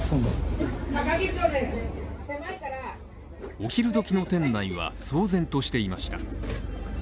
お昼時の店内は騒然としていました。